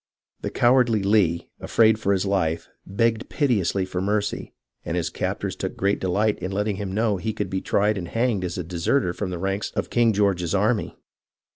The cowardly Lee, afraid for his life, begged piteously for mercy, and his captors took great delight in letting him know he could be tried and hanged as a de serter from the ranks of King George's army.